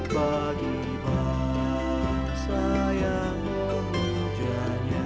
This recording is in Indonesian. bagi bangsa yang memujanya